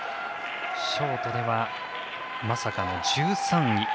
ショートではまさかの１３位。